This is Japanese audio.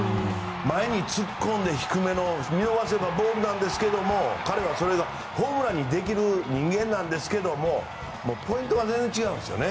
前に突っ込んで見逃せばボールなんですけど彼はそれがホームランにできる人間なんですけどポイントが全然違うんですよね。